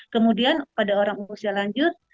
kemudian pada orang usia lanjut